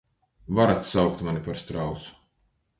Varat saukt mani par strausu...